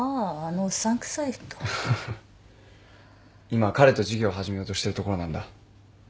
今彼と事業始めようとしてるところなんだ。